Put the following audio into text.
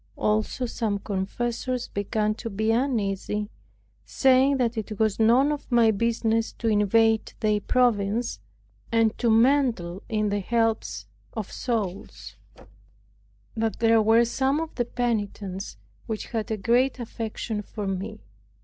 Also some confessors began to be uneasy, saying that it was none of my business to invade their province, and to meddle in the helps of souls; that there were some of the penitents which had a great affection for me.